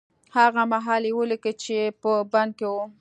هغه مهال يې وليکه چې په بند کې و.